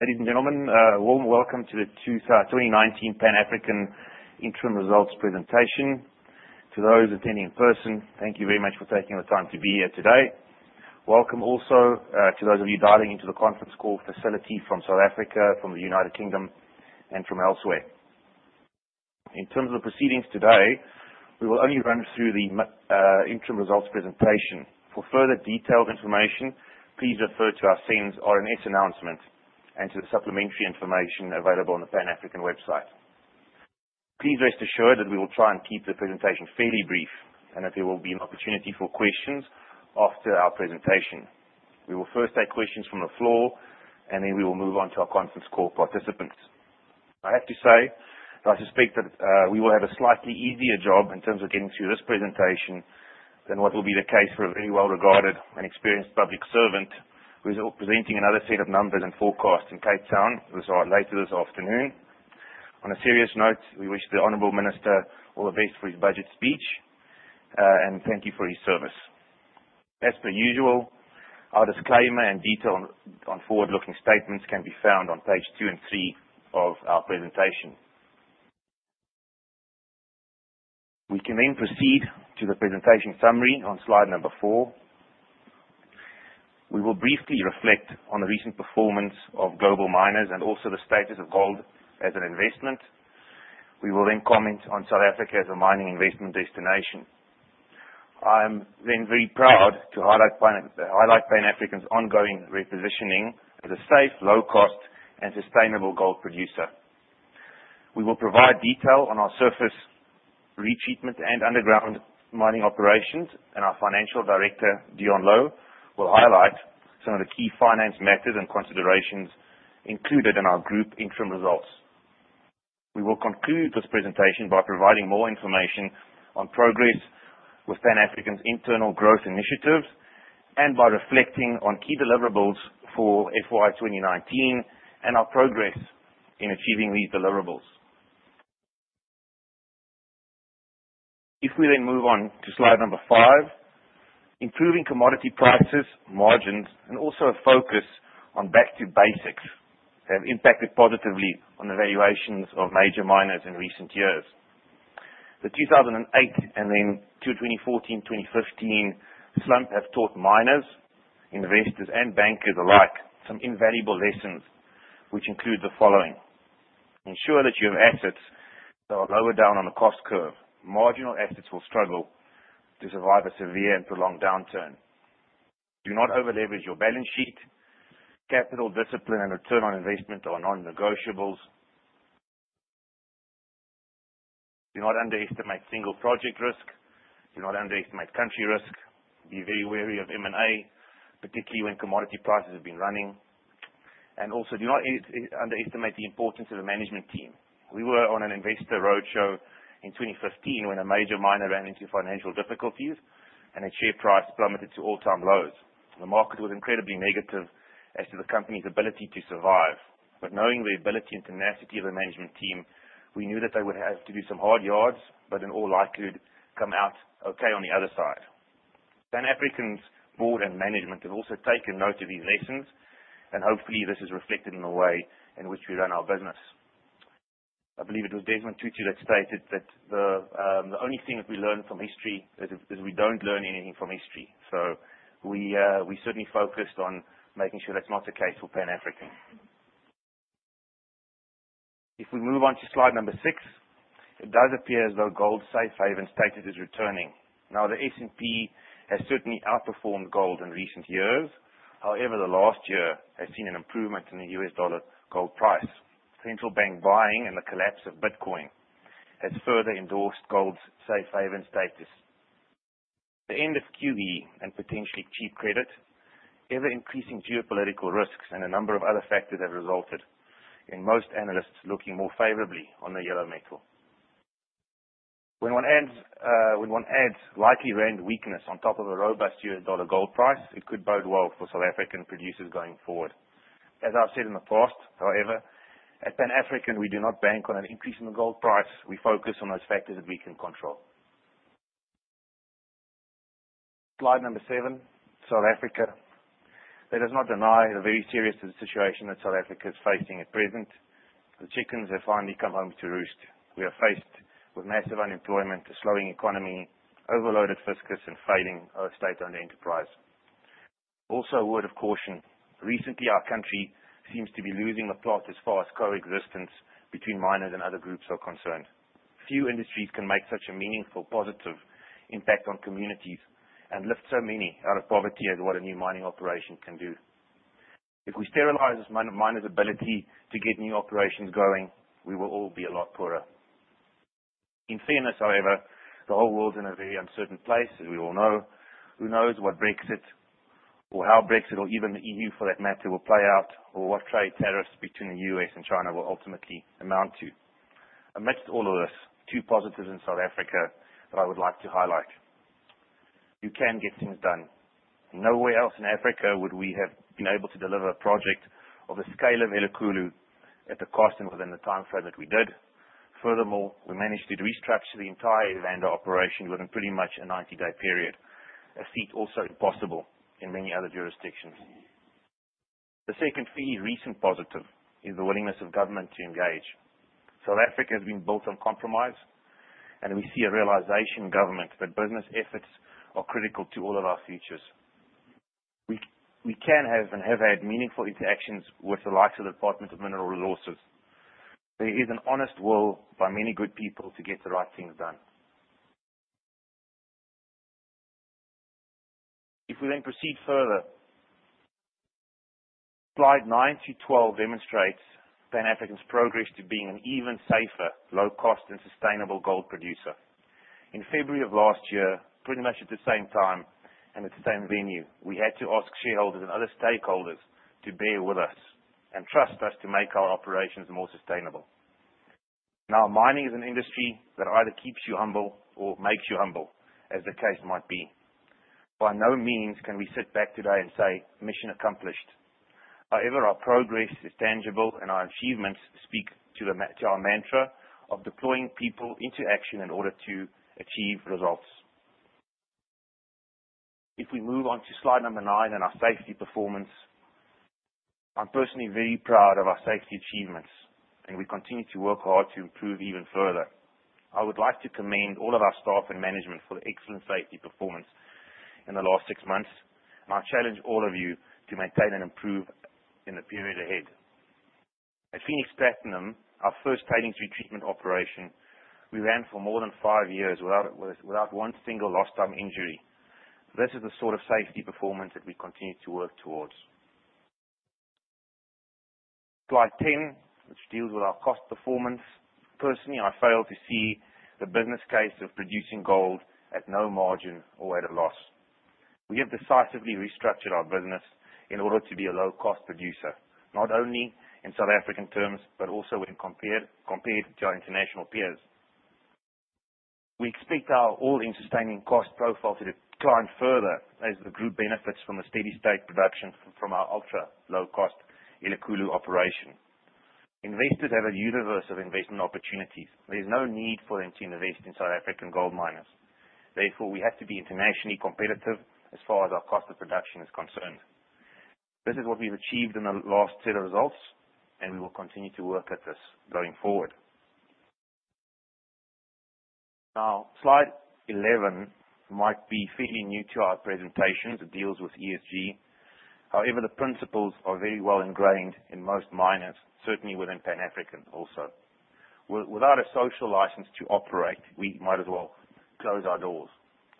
Ladies and gentlemen, a warm welcome to the 2019 Pan African interim results presentation. To those attending in person, thank you very much for taking the time to be here today. Welcome also to those of you dialing into the conference call facility from South Africa, from the U.K., and from elsewhere. In terms of proceedings today, we will only run through the interim results presentation. For further detailed information, please refer to our SENS, RNS announcement, and to the supplementary information available on the Pan African website. Please rest assured that we will try and keep the presentation fairly brief, and that there will be an opportunity for questions after our presentation. We will first take questions from the floor, and then we will move on to our conference call participants. I have to say that I suspect that we will have a slightly easier job in terms of getting through this presentation than what will be the case for a very well-regarded and experienced public servant who is presenting another set of numbers and forecasts in Cape Town with us later this afternoon. On a serious note, we wish the honorable minister all the best for his budget speech, and thank you for his service. As per usual, our disclaimer and detail on forward-looking statements can be found on page two and three of our presentation. We can proceed to the presentation summary on slide number four. We will briefly reflect on the recent performance of global miners and also the status of gold as an investment. We will comment on South Africa as a mining investment destination. I'm very proud to highlight Pan African's ongoing repositioning as a safe, low cost, and sustainable gold producer. We will provide detail on our surface retreatment and underground mining operations, and our financial director, Deon Louw, will highlight some of the key finance methods and considerations included in our group interim results. We will conclude this presentation by providing more information on progress with Pan African's internal growth initiatives and by reflecting on key deliverables for FY 2019 and our progress in achieving these deliverables. If we move on to slide number five, improving commodity prices, margins, and also a focus on back to basics have impacted positively on the valuations of major miners in recent years. The 2008 and then to 2014, 2015 slump have taught miners, investors, and bankers alike some invaluable lessons, which include the following. Ensure that you have assets that are lower down on the cost curve. Marginal assets will struggle to survive a severe and prolonged downturn. Do not over-leverage your balance sheet. Capital discipline and return on investment are non-negotiables. Do not underestimate single project risk. Do not underestimate country risk. Be very wary of M&A, particularly when commodity prices have been running. Also, do not underestimate the importance of a management team. We were on an investor roadshow in 2015 when a major miner ran into financial difficulties and its share price plummeted to all-time lows. The market was incredibly negative as to the company's ability to survive. Knowing the ability and tenacity of the management team, we knew that they would have to do some hard yards, but in all likelihood, come out okay on the other side. Pan African's board and management have also taken note of these lessons, and hopefully this is reflected in the way in which we run our business. I believe it was Desmond Tutu that stated that the only thing that we learn from history is we don't learn anything from history. We certainly focused on making sure that's not the case for Pan African. If we move on to slide number six, it does appear as though gold's safe haven status is returning. Now, the S&P has certainly outperformed gold in recent years. However, the last year has seen an improvement in the US dollar gold price. Central bank buying and the collapse of Bitcoin has further endorsed gold's safe haven status. The end of QE and potentially cheap credit, ever-increasing geopolitical risks, and a number of other factors have resulted in most analysts looking more favorably on the yellow metal. When one adds likely ZAR weakness on top of a robust US dollar gold price, it could bode well for South African producers going forward. As I've said in the past, however, at Pan African, we do not bank on an increase in the gold price. We focus on those factors that we can control. Slide number seven, South Africa. Let us not deny the very serious situation that South Africa is facing at present. The chickens have finally come home to roost. We are faced with massive unemployment, a slowing economy, overloaded fiscus, and fading of state-owned enterprise. Also, a word of caution. Recently, our country seems to be losing the plot as far as coexistence between miners and other groups are concerned. Few industries can make such a meaningful, positive impact on communities and lift so many out of poverty as what a new mining operation can do. If we sterilize miners' ability to get new operations going, we will all be a lot poorer. In fairness, however, the whole world's in a very uncertain place, as we all know. Who knows what Brexit or how Brexit or even the EU for that matter, will play out or what trade tariffs between the U.S. and China will ultimately amount to. Amidst all of this, two positives in South Africa that I would like to highlight. You can get things done. Nowhere else in Africa would we have been able to deliver a project of the scale of Elikhulu at the cost and within the timeframe that we did. Furthermore, we managed to restructure the entire Evander operation within pretty much a 90-day period. A feat also impossible in many other jurisdictions. The second key recent positive is the willingness of government to engage. South Africa has been built on compromise, and we see a realization in government that business efforts are critical to all of our futures. We can have, and have had, meaningful interactions with the likes of the Department of Mineral Resources. There is an honest will by many good people to get the right things done. If we then proceed further, slide nine to 12 demonstrates Pan African's progress to being an even safer, low cost, and sustainable gold producer. In February of last year, pretty much at the same time and the same venue, we had to ask shareholders and other stakeholders to bear with us and trust us to make our operations more sustainable. Mining is an industry that either keeps you humble or makes you humble, as the case might be. By no means can we sit back today and say, "Mission accomplished." However, our progress is tangible and our achievements speak to our mantra of deploying people into action in order to achieve results. If we move on to slide number nine on our safety performance, I'm personally very proud of our safety achievements, and we continue to work hard to improve even further. I would like to commend all of our staff and management for their excellent safety performance in the last six months, and I challenge all of you to maintain and improve in the period ahead. At Phoenix Platinum, our first tailings retreatment operation, we ran for more than five years without one single lost time injury. This is the sort of safety performance that we continue to work towards. Slide 10, which deals with our cost performance. Personally, I fail to see the business case of producing gold at no margin or at a loss. We have decisively restructured our business in order to be a low-cost producer, not only in South African terms, but also when compared to our international peers. We expect our all-in sustaining cost profile to decline further as the group benefits from the steady-state production from our ultra-low-cost Elikhulu operation. Investors have a universe of investment opportunities. There is no need for them to invest in South African gold miners. We have to be internationally competitive as far as our cost of production is concerned. This is what we've achieved in the last set of results, and we will continue to work at this going forward. Slide 11 might be fairly new to our presentations. It deals with ESG. The principles are very well ingrained in most miners, certainly within Pan African also. Without a social license to operate, we might as well close our doors.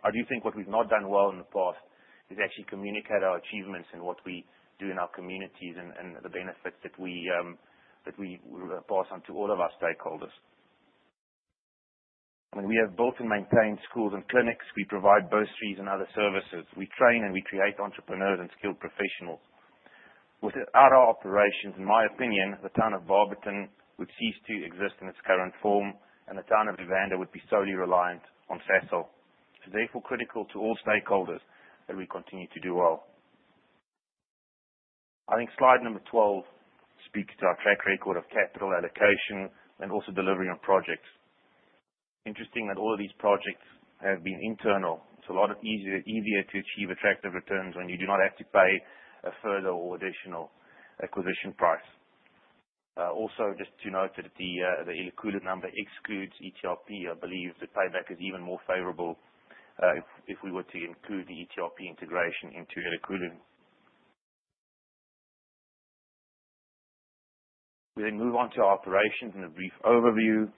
I do think what we've not done well in the past is actually communicate our achievements and what we do in our communities and the benefits that we pass on to all of our stakeholders. We have built and maintained schools and clinics. We provide bursaries and other services. We train and we create entrepreneurs and skilled professionals. Without our operations, in my opinion, the town of Barberton would cease to exist in its current form, and the town of Evander would be solely reliant on Sasol. It's therefore critical to all stakeholders that we continue to do well. I think slide 12 speaks to our track record of capital allocation and also delivery on projects. Interesting that all of these projects have been internal. It's a lot easier to achieve attractive returns when you do not have to pay a further or additional acquisition price. Just to note that the Elikhulu number excludes ETRP. I believe the payback is even more favorable, if we were to include the ETRP integration into Elikhulu. We move on to our operations and a brief overview.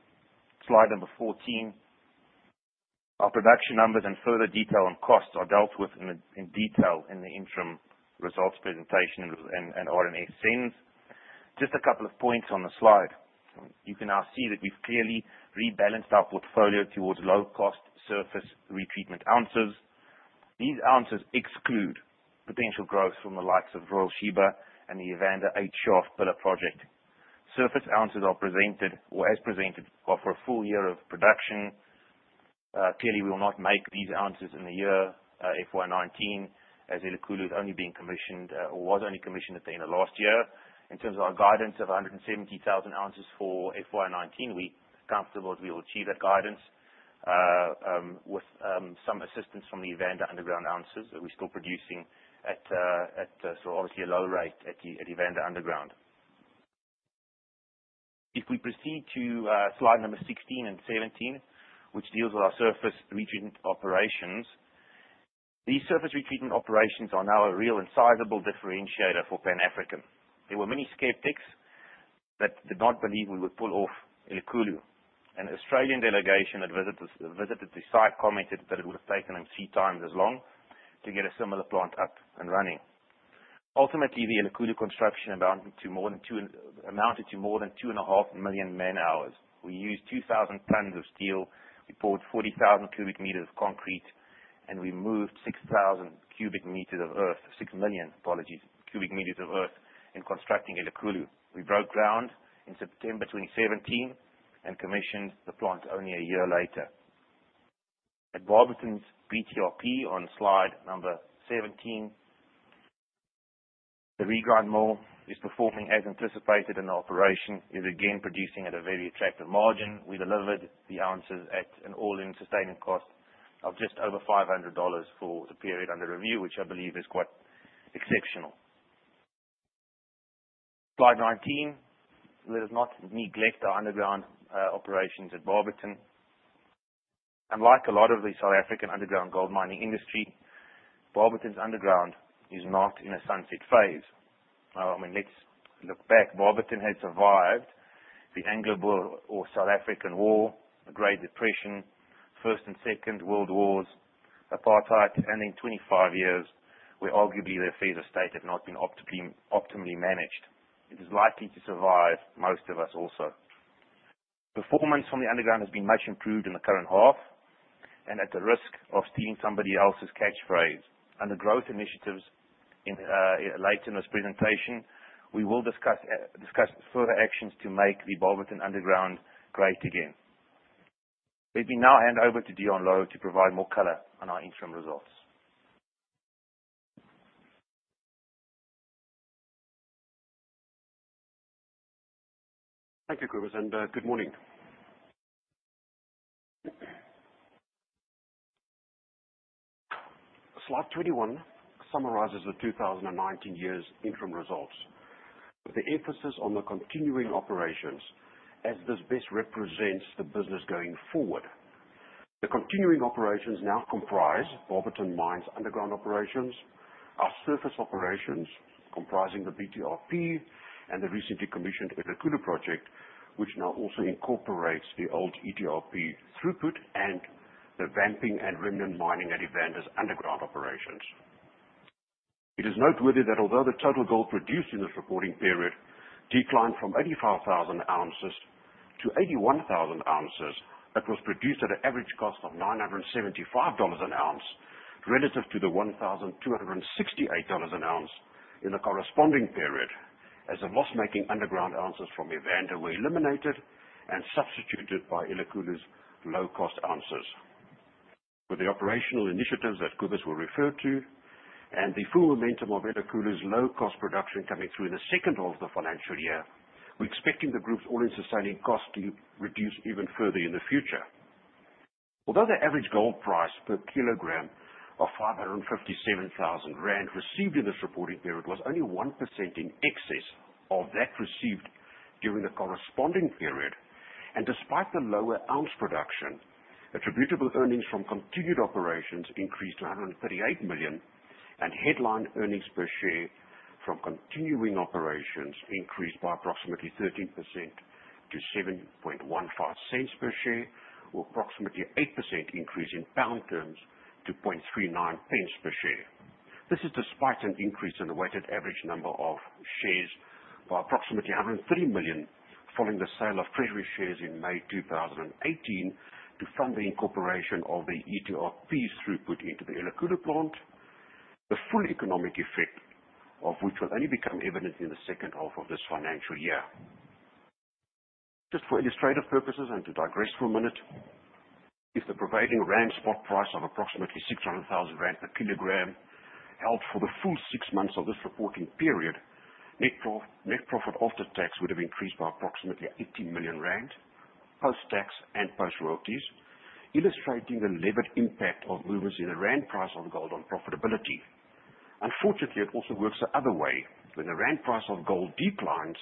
Slide 14. Our production numbers and further detail on costs are dealt with in detail in the interim results presentation and RNS SENS. Just a couple of points on the slide. You can now see that we've clearly rebalanced our portfolio towards low cost surface retreatment ounces. These ounces exclude potential growth from the likes of Royal Sheba and the 8 Shaft pillar project. Surface ounces as presented are for a full year of production. Clearly, we will not make these ounces in the year FY 2019 as Elikhulu is only being commissioned, or was only commissioned at the end of last year. In terms of our guidance of 170,000 ounces for FY 2019, we're comfortable that we will achieve that guidance, with some assistance from the Evander underground ounces that we're still producing at, so obviously a low rate at Evander underground. If we proceed to slide number 16 and 17, which deals with our surface retreatment operations. These surface retreatment operations are now a real and sizable differentiator for Pan African. There were many skeptics that did not believe we would pull off Elikhulu. An Australian delegation that visited the site commented that it would have taken them three times as long to get a similar plant up and running. Ultimately, the Elikhulu construction amounted to more than 2.5 million man-hours. We used 2,000 tons of steel, we poured 40,000 cubic meters of concrete, and we moved 6,000 cubic meters of earth. 6 million, apologies, cubic meters of earth in constructing Elikhulu. We broke ground in September 2017 and commissioned the plant only a year later. At Barberton's BTRP on slide number 17, the regrind mill is performing as anticipated, and the operation is again producing at a very attractive margin. We delivered the ounces at an all-in sustaining cost of just over $500 for the period under review, which I believe is quite exceptional. Slide 19. Let us not neglect our underground operations at Barberton. Unlike a lot of the South African underground gold mining industry, Barberton's underground is not in a sunset phase. Let's look back. Barberton has survived the Anglo-Boer or South African War, the Great Depression, First and Second World Wars, apartheid, and in 25 years, where arguably their phase of state had not been optimally managed. It is likely to survive most of us also. Performance from the underground has been much improved in the current half. At the risk of stealing somebody else's catchphrase, under growth initiatives later in this presentation, we will discuss further actions to make the Barberton underground great again. Let me now hand over to Deon Louw to provide more color on our interim results. Thank you, Cobus, and good morning. Slide 21 summarizes the 2019 year's interim results, with the emphasis on the continuing operations as this best represents the business going forward. The continuing operations now comprise Barberton Mines underground operations, our surface operations comprising the BTRP and the recently commissioned Elikhulu project, which now also incorporates the old ETRP throughput and the vamping and remnant mining at Evander's underground operations. It is noteworthy that although the total gold produced in this reporting period declined from 85,000 ounces to 81,000 ounces, that was produced at an average cost of $975 an ounce relative to the $1,268 an ounce in the corresponding period, as the loss-making underground ounces from Evander were eliminated and substituted by Elikhulu's low-cost ounces. With the operational initiatives that Cobus will refer to and the full momentum of Elikhulu's low-cost production coming through in the second half of the financial year, we're expecting the group's all-in sustaining cost to reduce even further in the future. Although the average gold price per kilogram of 557,000 rand received in this reporting period was only 1% in excess of that received during the corresponding period, and despite the lower ounce production, attributable earnings from continued operations increased to 138 million, and headline earnings per share from continuing operations increased by approximately 13% to 0.0715 per share or approximately 8% increase in pound terms to 0.0039 per share. This is despite an increase in the weighted average number of shares by approximately 103 million following the sale of treasury shares in May 2018 to fund the incorporation of the ETRP's throughput into the Elikhulu plant, the full economic effect of which will only become evident in the second half of this financial year. Just for illustrative purposes and to digress for a minute, if the prevailing ZAR spot price of approximately 600,000 rand per kilogram held for the full six months of this reporting period, net profit after tax would have increased by approximately 80 million rand post-tax and post-royalties, illustrating the levered impact of movements in the ZAR price on gold on profitability. Unfortunately, it also works the other way when the ZAR price of gold declines,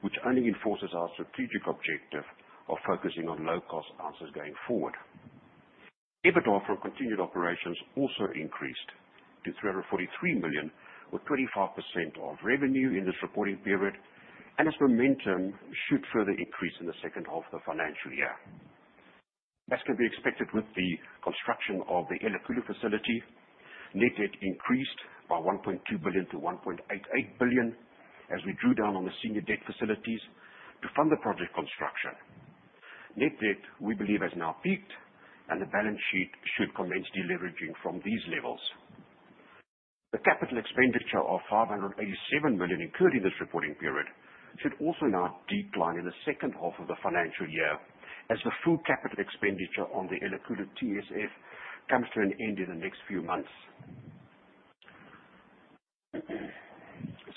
which only enforces our strategic objective of focusing on low-cost ounces going forward. EBITDA from continued operations also increased to 343 million, with 25% of revenue in this reporting period, and its momentum should further increase in the second half of the financial year. As could be expected with the construction of the Elikhulu facility, net debt increased by 1.2 billion to 1.88 billion as we drew down on the senior debt facilities to fund the project construction. Net debt, we believe, has now peaked, and the balance sheet should commence deleveraging from these levels. The capital expenditure of 587 million incurred in this reporting period should also now decline in the second half of the financial year as the full capital expenditure on the Elikhulu TSF comes to an end in the next few months.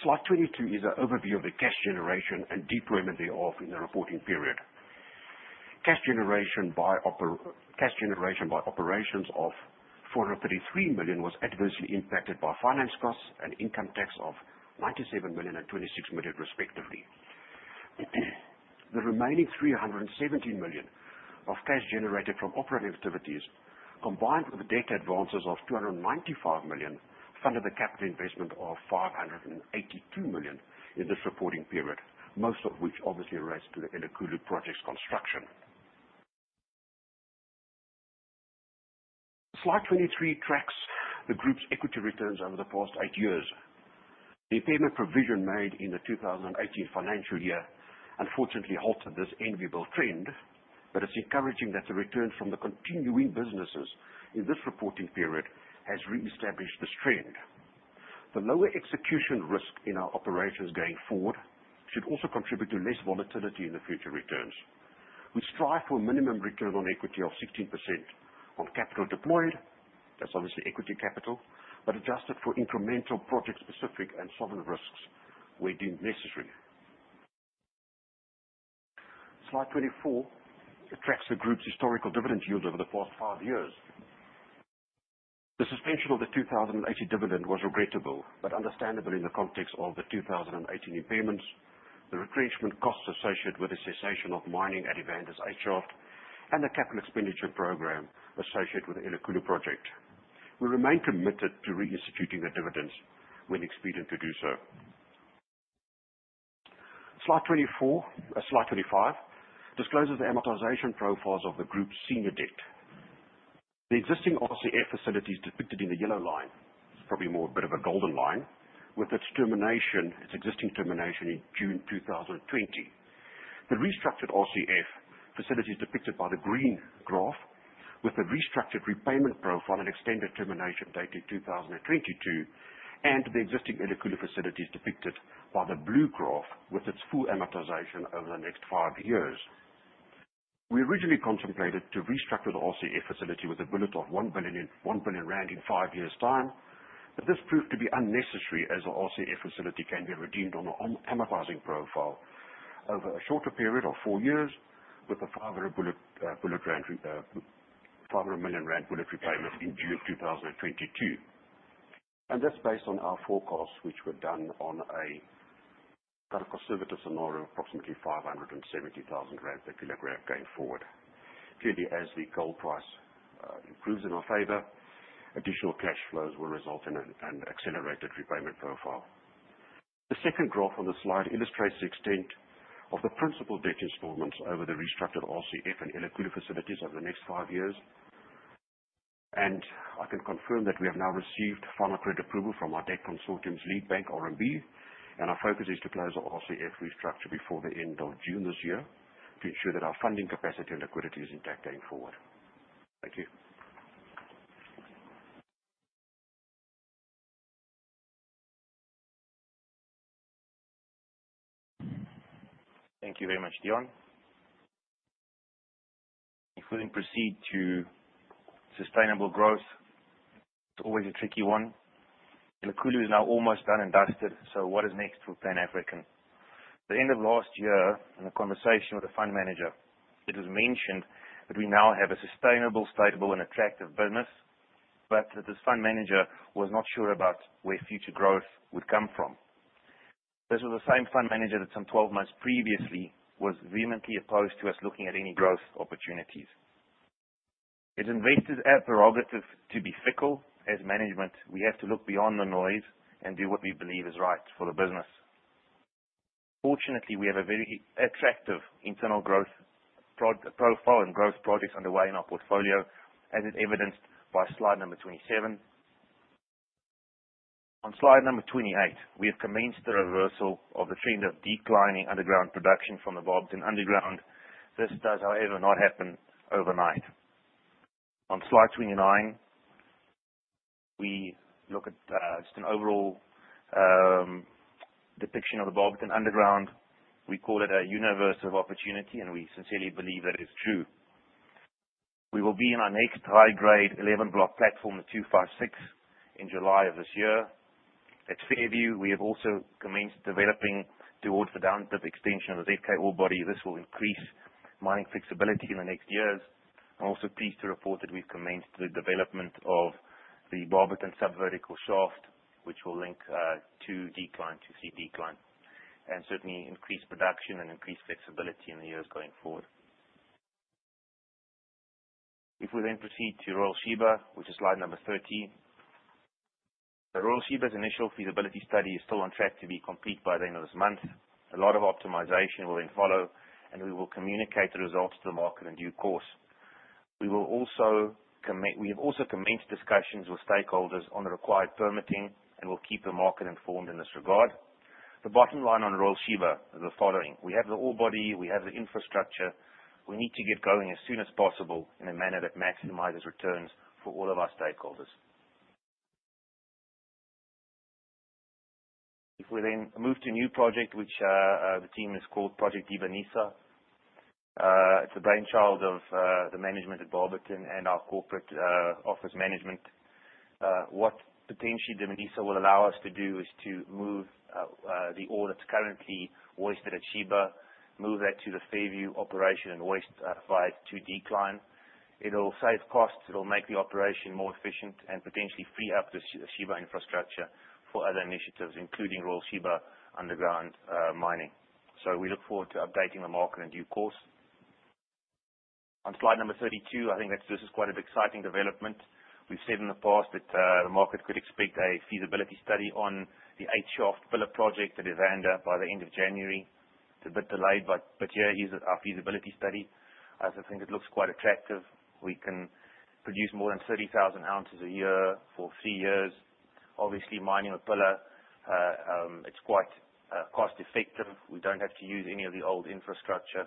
Slide 22 is an overview of the cash generation and deployment thereof in the reporting period. Cash generation by operations of 433 million was adversely impacted by finance costs and income tax of 97 million and 26 million respectively. The remaining 317 million of cash generated from operating activities, combined with debt advances of 295 million, funded the capital investment of 582 million in this reporting period, most of which obviously relates to the Elikhulu project's construction. Slide 23 tracks the group's equity returns over the past eight years. The impairment provision made in the 2018 financial year unfortunately halted this enviable trend. It's encouraging that the return from the continuing businesses in this reporting period has reestablished this trend. The lower execution risk in our operations going forward should also contribute to less volatility in the future returns. We strive for a minimum return on equity of 16% on capital deployed, that's obviously equity capital, adjusted for incremental project specific and sovereign risks where deemed necessary. Slide 24 tracks the group's historical dividend yield over the past five years. The suspension of the 2018 dividend was regrettable, understandable in the context of the 2018 repayments, the retrenchment costs associated with the cessation of mining at Evander's H shaft, and the capital expenditure program associated with the Elikhulu project. We remain committed to reinstituting the dividends when expedient to do so. Slide 25 discloses the amortization profiles of the group's senior debt. The existing RCF facility is depicted in the yellow line. It's probably more a bit of a golden line with its existing termination in June 2020. The restructured RCF facility is depicted by the green graph, with the restructured repayment profile and extended termination date in 2022. The existing Elikhulu facility is depicted by the blue graph, with its full amortization over the next five years. We originally contemplated to restructure the RCF facility with a bullet of 1 billion rand in five years' time. This proved to be unnecessary as the RCF facility can be redeemed on an amortizing profile over a shorter period of four years with a 500 million rand bullet repayment in June 2022. That's based on our forecasts, which were done on a conservative scenario, approximately 570,000 rand per kilogram going forward. Clearly, as the gold price improves in our favor, additional cash flows will result in an accelerated repayment profile. The second graph on the slide illustrates the extent of the principal debt installments over the restructured RCF and Elikhulu facilities over the next five years. I can confirm that we have now received final credit approval from our debt consortium's lead bank, RMB, and our focus is to close our RCF restructure before the end of June this year to ensure that our funding capacity and liquidity is intact going forward. Thank you. Thank you very much, Deon. If we proceed to sustainable growth. It is always a tricky one. Elikhulu is now almost done and dusted, so what is next for Pan African? At the end of last year, in a conversation with a fund manager, it was mentioned that we now have a sustainable, stable, and attractive business, but that this fund manager was not sure about where future growth would come from. This was the same fund manager that some 12 months previously was vehemently opposed to us looking at any growth opportunities. It is investors' prerogative to be fickle. As management, we have to look beyond the noise and do what we believe is right for the business. Fortunately, we have a very attractive internal growth profile and growth projects underway in our portfolio, as is evidenced by slide number 27. On slide number 28, we have commenced the reversal of the trend of declining underground production from the Barberton underground. This does, however, not happen overnight. On slide 29, we look at just an overall depiction of the Barberton underground. We call it a universe of opportunity, and we sincerely believe that it is true. We will be in our next high-grade 11-block platform, the 256, in July of this year. At Fairview, we have also commenced developing towards the down-dip extension of the ZK orebody. This will increase mining flexibility in the next years. I am also pleased to report that we have commenced the development of the Barberton sub-vertical shaft, which will link B decline to C decline, and certainly increase production and increase flexibility in the years going forward. If we proceed to Royal Sheba, which is slide number 30. The Royal Sheba's initial feasibility study is still on track to be complete by the end of this month. A lot of optimization will then follow, and we will communicate the results to the market in due course. We have also commenced discussions with stakeholders on the required permitting and will keep the market informed in this regard. The bottom line on Royal Sheba is the following. We have the orebody. We have the infrastructure. We need to get going as soon as possible in a manner that maximizes returns for all of our stakeholders. If we move to a new project, which the team has called Project Dibanisa. It is the brainchild of the management at Barberton and our corporate office management. What potentially Dibanisa will allow us to do is to move the ore that is currently wasted at Sheba, move that to the Fairview operation and waste to decline. It will save costs. It will make the operation more efficient and potentially free up the Sheba infrastructure for other initiatives, including Royal Sheba underground mining. We look forward to updating the market in due course. On slide number 32, I think this is quite an exciting development. We have said in the past that the market could expect a feasibility study on the 8 Shaft pillar project at Evander by the end of January. It is a bit delayed, but here is our feasibility study. I think it looks quite attractive. We can produce more than 30,000 ounces a year for three years. Obviously, mining a pillar, it is quite cost effective. We do not have to use any of the old infrastructure.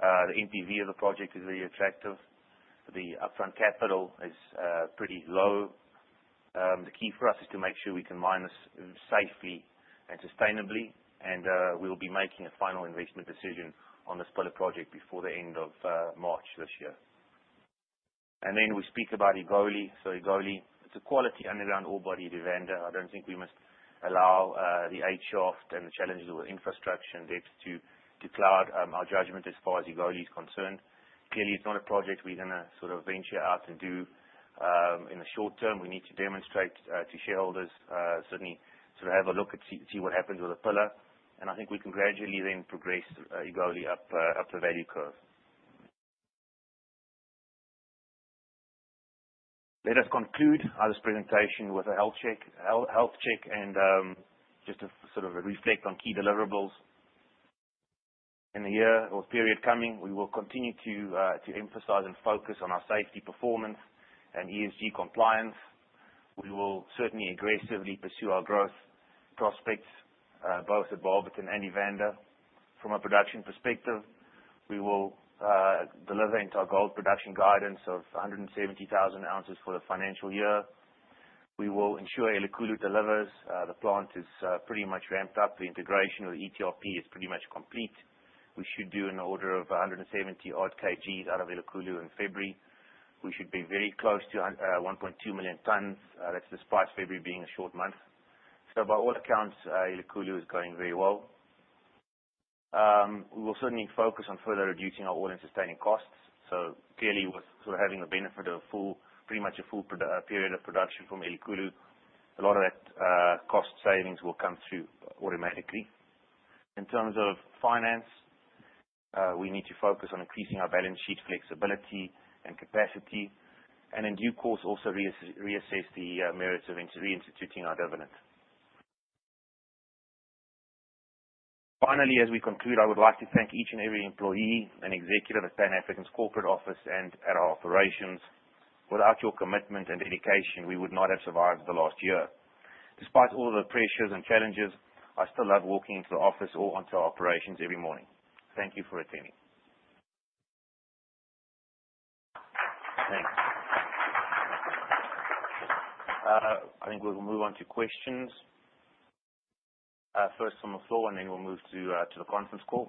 The NPV of the project is very attractive. The upfront capital is pretty low. The key for us is to make sure we can mine this safely and sustainably. We will be making a final investment decision on this pillar project before the end of March this year. We speak about Egoli. Egoli, it is a quality underground ore body at Evander. I do not think we must allow the H shaft and the challenges with infrastructure and depth to cloud our judgment as far as Egoli is concerned. Clearly, it is not a project we are going to sort of venture out and do in the short term. We need to demonstrate to shareholders, certainly, to have a look and see what happens with the pillar. I think we can gradually then progress Egoli up the value curve. Let us conclude this presentation with a health check and just to sort of reflect on key deliverables. In the year or period coming, we will continue to emphasize and focus on our safety performance and ESG compliance. We will certainly aggressively pursue our growth prospects, both at Barberton and Evander. From a production perspective, we will deliver into our gold production guidance of 170,000 ounces for the financial year. We will ensure Elikhulu delivers. The plant is pretty much ramped up. The integration with ETRP is pretty much complete. We should do an order of 170-odd kgs out of Elikhulu in February. We should be very close to 1.2 million tonnes. That is despite February being a short month. By all accounts, Elikhulu is going very well. We will certainly focus on further reducing our all-in sustaining costs. Clearly, with sort of having a benefit of pretty much a full period of production from Elikhulu, a lot of that cost savings will come through automatically. In terms of finance, we need to focus on increasing our balance sheet flexibility and capacity. In due course, also reassess the merits of reinstituting our dividend. Finally, as we conclude, I would like to thank each and every employee and executive at Pan African's corporate office and at our operations. Without your commitment and dedication, we would not have survived the last year. Despite all the pressures and challenges, I still love walking into the office or onto our operations every morning. Thank you for attending. Thanks. I think we will move on to questions. First from the floor, and then we will move to the conference call.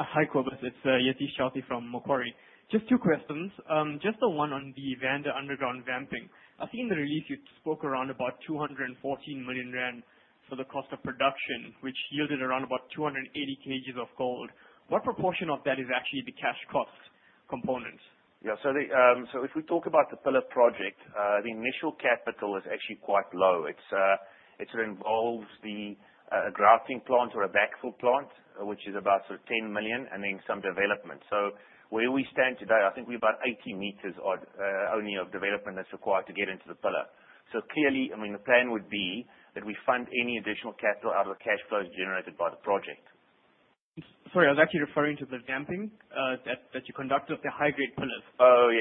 Hi, Cobus. It is Yatish from Macquarie. Just two questions. Just the one on the Evander underground vamping. I think in the release you spoke around about 214 million rand for the cost of production, which yielded around about 280 kgs of gold. What proportion of that is actually the cash cost component? If we talk about the pillar project, the initial capital is actually quite low. It sort of involves the drafting plant or a backfill plant, which is about sort of 10 million, then some development. Where we stand today, I think we're about 80 meters odd only of development that's required to get into the pillar. Clearly, the plan would be that we fund any additional capital out of cash flows generated by the project. Sorry, I was actually referring to the vamping that you conduct of the high grade pillars.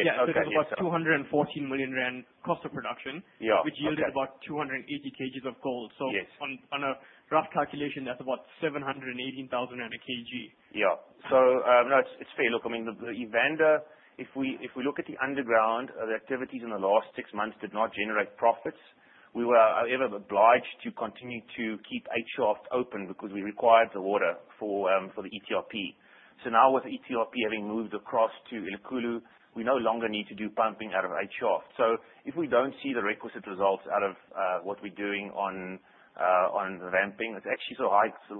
Yes. Okay. That's about 214 million rand cost of production. Yeah. Okay. Which yielded about 280 kgs of gold. Yes. On a rough calculation, that's about 718,000 a kg. Yeah. No, it's fair. Look, I mean, the Evander, if we look at the underground, the activities in the last six months did not generate profits. We were, however, obliged to continue to keep H shaft open because we required the water for the ETRP. Now with ETRP having moved across to Elikhulu, we no longer need to do pumping out of H shaft. If we don't see the requisite results out of what we're doing on the vamping, it's actually.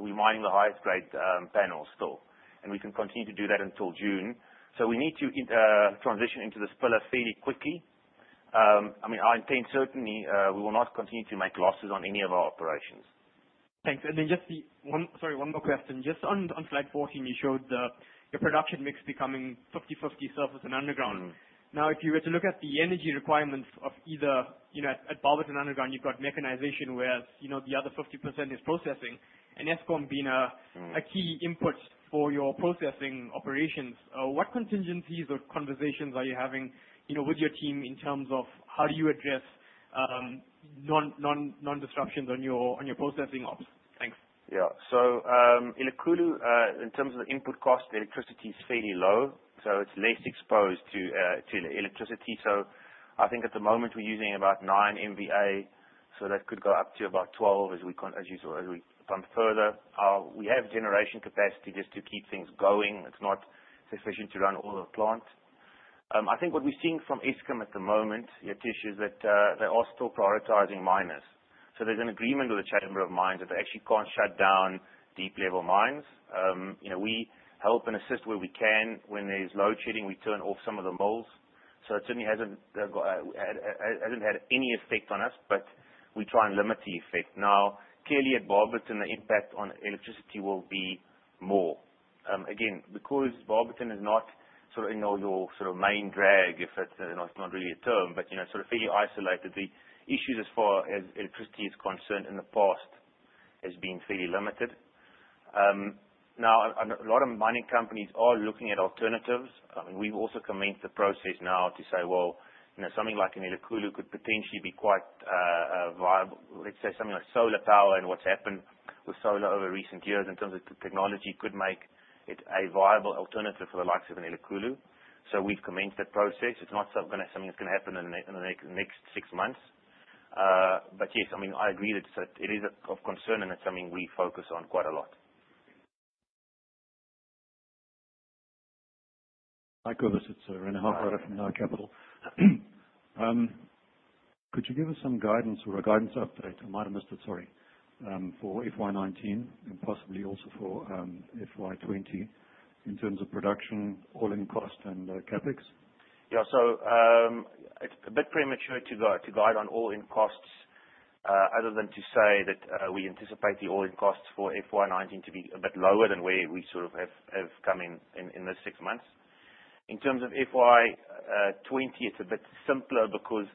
We're mining the highest grade panels still. We can continue to do that until June. We need to transition into this pillar fairly quickly. I mean, I can certainly. We will not continue to make losses on any of our operations. Thanks. Then just one more question. Just on slide 14, you showed the production mix becoming 50/50 surface and underground. If you were to look at the energy requirements of either at Barberton underground, you've got mechanization, whereas the other 50% is processing. Eskom being a key input for your processing operations, what contingencies or conversations are you having with your team in terms of how do you address non-disruptions on your processing ops? Thanks. Yeah. Elikhulu, in terms of the input cost, the electricity is fairly low, it's less exposed to electricity. I think at the moment we're using about nine MVA, that could go up to about 12 as we pump further. We have generation capacity just to keep things going. It's not sufficient to run all the plant. I think what we're seeing from Eskom at the moment, Yatish, is that they are still prioritizing miners. There's an agreement with the Chamber of Mines that they actually can't shut down deep level mines. We help and assist where we can. When there's load shedding, we turn off some of the mills. It certainly hasn't had any effect on us, but we try and limit the effect. Clearly at Barberton, the impact on electricity will be more. Again, because Barberton is not sort of your main drag, it's not really a term, but sort of fairly isolated. The issues as far as electricity is concerned in the past has been fairly limited. A lot of mining companies are looking at alternatives. We've also commenced the process now to say, well, something like an Elikhulu could potentially be quite viable. Let's say something like solar power and what's happened with solar over recent years, in terms of technology, could make it a viable alternative for the likes of Elikhulu. We've commenced that process. It's not something that's going to happen in the next six months. Yes, I agree that it is of concern, and it's something we focus on quite a lot. Hi, Cobus. It's Rene Hochreiter from NOA Capital. Could you give us some guidance or a guidance update, I might have missed it, sorry, for FY 2019 and possibly also for FY 2020 in terms of production, all-in cost, and CapEx? Yeah. It's a bit premature to guide on all-in costs, other than to say that we anticipate the all-in costs for FY 2019 to be a bit lower than where we sort of have come in the 6 months. In terms of FY 2020, it's a bit simpler because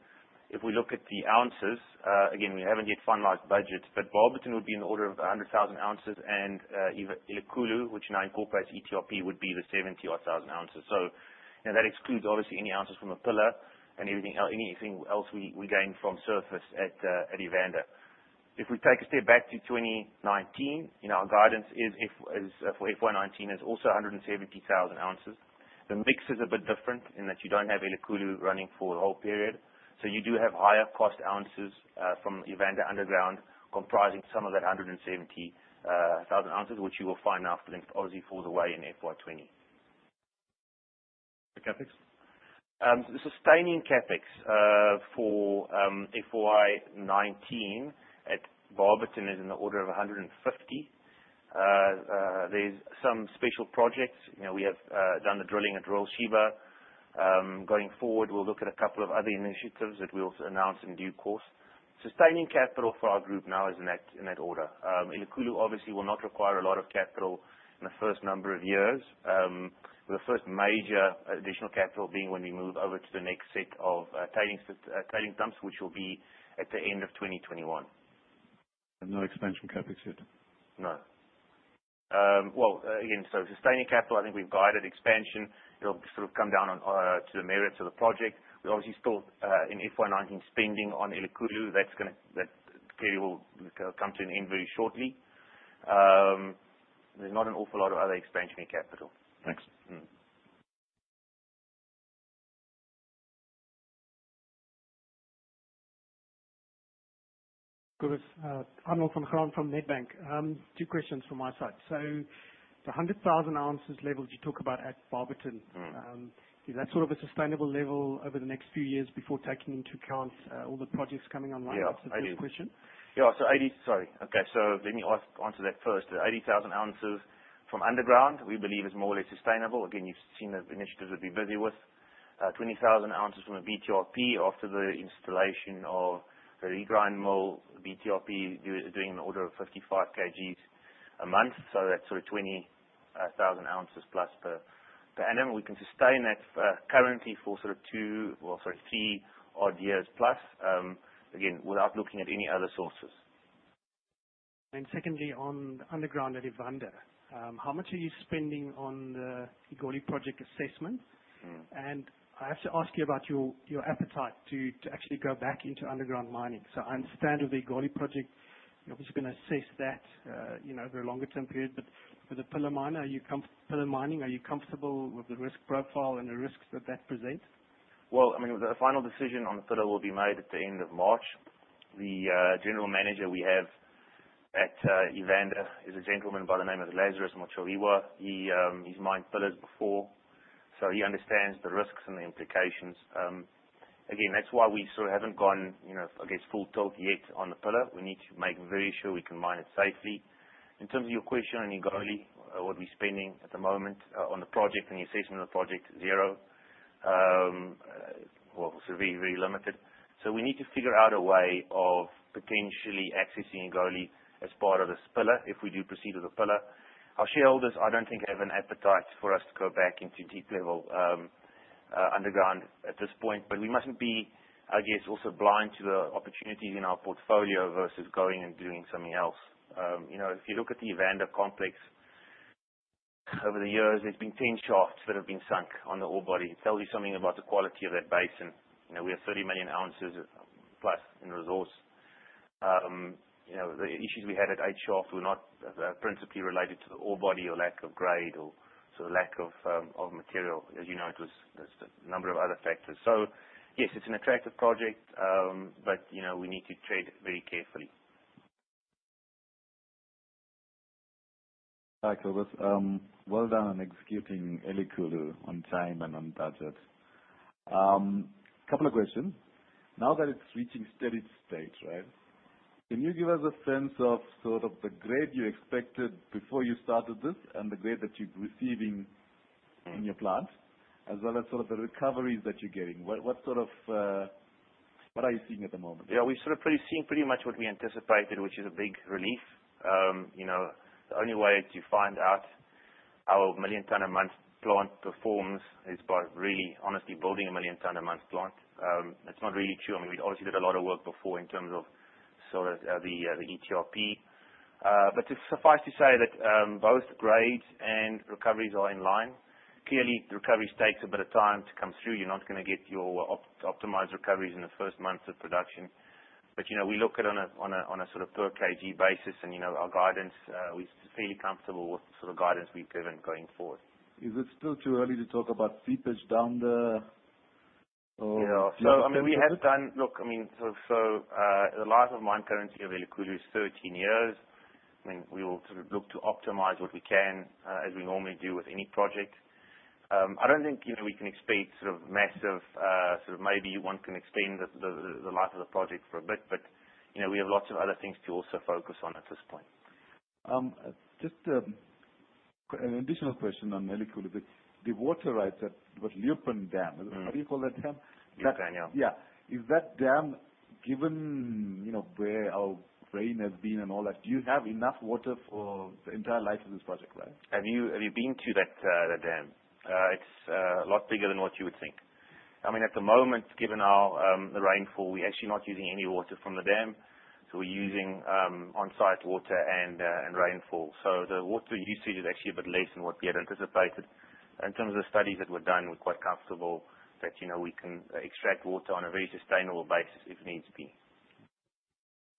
if we look at the ounces, again, we haven't yet finalized budgets, but Barberton would be in the order of 100,000 ounces and Elikhulu, which now incorporates ETRP, would be the 70,000 odd ounces. That excludes obviously any ounces from the pillar and anything else we gain from surface at Evander. If we take a step back to 2019, our guidance for FY 2019 is also 170,000 ounces. The mix is a bit different in that you don't have Elikhulu running for the whole period. You do have higher cost ounces from Evander Underground comprising some of that 170,000 ounces, which you will find after obviously falls away in FY 2020. The CapEx? The sustaining CapEx for FY 2019 at Barberton is in the order of 150 million. There's some special projects. We have done the drilling at Royal Sheba. Going forward, we'll look at a couple of other initiatives that we'll announce in due course. Sustaining capital for our group now is in that order. Elikhulu obviously will not require a lot of capital in the first number of years. The first major additional capital being when we move over to the next set of tailing dumps, which will be at the end of 2021. No expansion CapEx yet? No. Well, again, sustaining capital, I think we've guided expansion. It'll sort of come down to the merits of the project. We're obviously still, in FY 2019, spending on Elikhulu. That clearly will come to an end very shortly. There's not an awful lot of other expansion in capital. Thanks. Cobus, Arnold van Graan from Nedbank. Two questions from my side. The 100,000 ounces level that you talk about at Barberton- Is that sort of a sustainable level over the next few years before taking into account all the projects coming online? That's the first question. Yeah. Sorry. Okay. Let me answer that first. The 80,000 ounces from underground, we believe is more or less sustainable. Again, you've seen the initiatives we've been busy with. 20,000 ounces from a BTRP after the installation of the regrind mill BTRP. We're doing an order of 55 kgs a month. That's sort of 20,000 ounces plus per annum. We can sustain that currently for sort of two, well, sorry, three odd years plus. Again, without looking at any other sources. Secondly, on the underground at Evander. How much are you spending on the Egoli project assessment? I have to ask you about your appetite to actually go back into underground mining. I understand with the Egoli project, you're obviously going to assess that over a longer-term period. For the pillar mining, are you comfortable with the risk profile and the risks that that presents? The final decision on the pillar will be made at the end of March. The general manager we have at Evander is a gentleman by the name of Lazarus Motshwaiwa. He's mined pillars before, so he understands the risks and the implications. That's why we sort of haven't gone, I guess, full tilt yet on the pillar. We need to make very sure we can mine it safely. In terms of your question on Egoli, what we're spending at the moment on the project and the assessment of the project, zero. Very, very limited. We need to figure out a way of potentially accessing Egoli as part of this pillar if we do proceed with the pillar. Our shareholders, I don't think have an appetite for us to go back into deep level underground at this point. We mustn't be, I guess, also blind to the opportunities in our portfolio versus going and doing something else. If you look at the Evander complex, over the years, there's been 10 shafts that have been sunk on the ore body. It tells you something about the quality of that basin. We have 30 million ounces plus in resource. The issues we had at eight shaft were not principally related to the ore body or lack of grade or lack of material. As you know, there's a number of other factors. Yes, it's an attractive project, we need to tread very carefully. Hi, Cobus. Well done on executing Elikhulu on time and on budget. Couple of questions. Now that it's reaching steady state, right? Can you give us a sense of sort of the grade you expected before you started this and the grade that you're receiving in your plant, as well as sort of the recoveries that you're getting? What are you seeing at the moment? Yeah. We're sort of seeing pretty much what we anticipated, which is a big relief. The only way to find out how a million-tonne a month plant performs is by really honestly building a million tonne a month plant. It's not really true. We obviously did a lot of work before in terms of the ETRP. Suffice to say that both grades and recoveries are in line. The recoveries takes a bit of time to come through. You're not going to get your optimized recoveries in the first months of production. We look at it on a sort of per KG basis and our guidance, we're fairly comfortable with the sort of guidance we've given going forward. Is it still too early to talk about seepage down the? Yeah. The life of mine currently of Elikhulu is 13 years. We will sort of look to optimize what we can, as we normally do with any project. I don't think we can expect sort of maybe one can extend the life of the project for a bit, we have lots of other things to also focus on at this point. Just an additional question on Elikhulu. The water rights at the Leeuwpan Dam, what do you call that dam? Leeuwpan. Yeah. Is that dam given, where our rain has been and all that, do you have enough water for the entire life of this project, right? Have you been to that dam? It is a lot bigger than what you would think. At the moment, given the rainfall, we are actually not using any water from the dam. We are using on-site water and rainfall. The water usage is actually a bit less than what we had anticipated. In terms of studies that were done, we are quite comfortable that we can extract water on a very sustainable basis if needs be.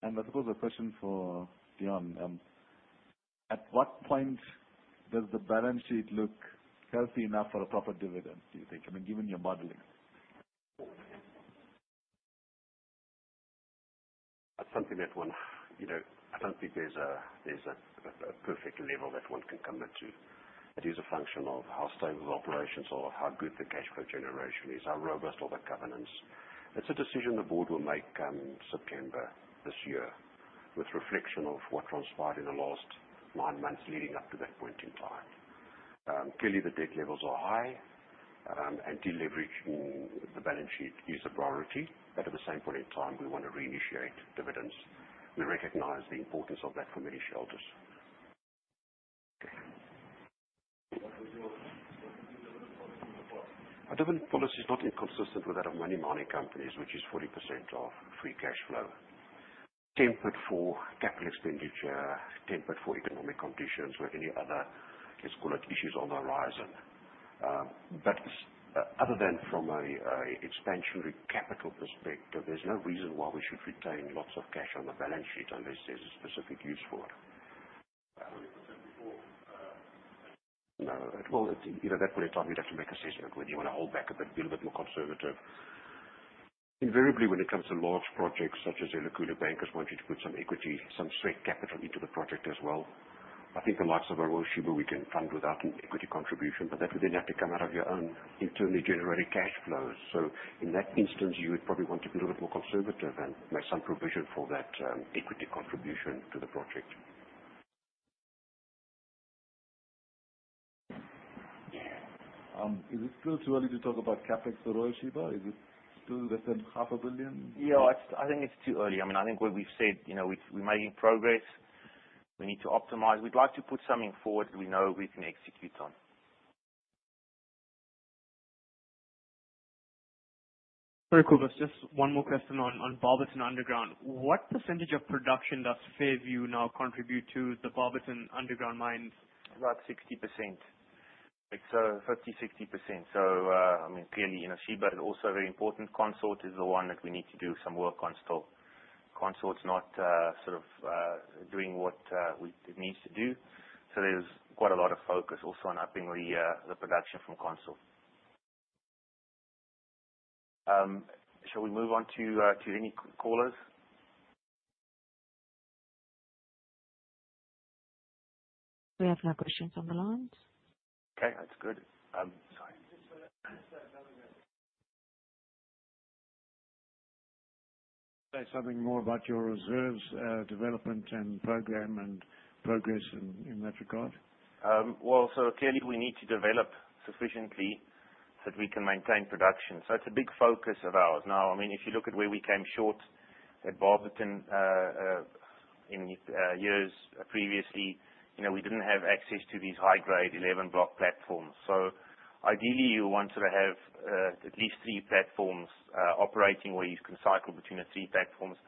I suppose a question for Deon. At what point does the balance sheet look healthy enough for a proper dividend, do you think? I mean, given your modeling. That is something that I don't think there is a perfect level that one can commit to. It is a function of how stable the operations are, how good the cash flow generation is, how robust all the governance. It is a decision the board will make come September this year, with reflection of what transpired in the last nine months leading up to that point in time. Clearly, the debt levels are high, de-leveraging the balance sheet is a priority, but at the same point in time, we want to reinitiate dividends. We recognize the importance of that for many shareholders. What was your dividend policy in the past? Our dividend policy is not inconsistent with that of many mining companies, which is 40% of free cash flow. Tempered for CapEx, tempered for economic conditions or any other, let's call it, issues on the horizon. Other than from a expansionary capital perspective, there's no reason why we should retain lots of cash on the balance sheet unless there's a specific use for it. 40% before. No. At that point in time, you'd have to make assessment whether you want to hold back a bit, be a bit more conservative. Invariably, when it comes to large projects such as Elikhulu, bankers want you to put some equity, some straight capital into the project as well. I think the likes of Royal Sheba we can fund without an equity contribution, but that would then have to come out of your own internally generated cash flows. In that instance, you would probably want to be a little bit more conservative and make some provision for that equity contribution to the project. Is it still too early to talk about CapEx for Royal Sheba? Is it still less than ZAR half a billion? Yeah. I think it's too early. I think what we've said, we're making progress. We need to optimize. We'd like to put something forward we know we can execute on. Very cool. There's just one more question on Barberton Underground. What percentage of production does Fairview now contribute to the Barberton Underground mine? About 60%. It's 50, 60%. Clearly, Sheba is also a very important Consort, is the one that we need to do some work on still. Consort's not sort of doing what it needs to do. There's quite a lot of focus also on upping the production from Consort. Shall we move on to any callers? We have no questions on the line. Okay, that's good. Sorry. Say something more about your reserves development and program and progress in that regard. Clearly we need to develop sufficiently so that we can maintain production. It's a big focus of ours. If you look at where we came short at Barberton Mines years previously, we didn't have access to these high-grade 11-block platforms. Ideally, you want to have at least three platforms operating where you can cycle between the three platforms.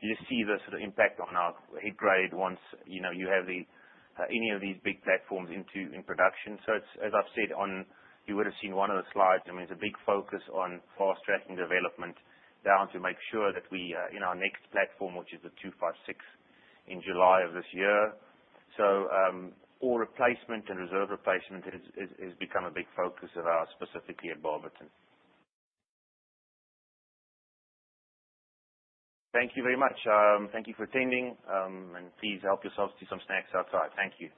You'll see the sort of impact on our head grade once you have any of these big platforms in production. As I've said, you would have seen one of the slides. There's a big focus on fast-tracking development down to make sure that we, in our next platform, which is the 256 platform in July of this year. Ore replacement and reserve replacement has become a big focus of ours, specifically at Barberton Mines. Thank you very much. Thank you for attending, please help yourselves to some snacks outside. Thank you.